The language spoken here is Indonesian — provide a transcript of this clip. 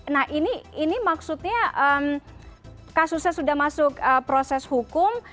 nah ini maksudnya kasusnya sudah masuk proses hukum